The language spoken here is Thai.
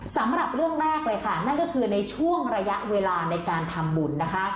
สำหรับเรื่องแรกเลยค่ะนั่นก็คือในช่วงระยะเวลาในการทำบุญนะคะ